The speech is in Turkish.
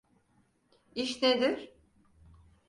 İş nedir?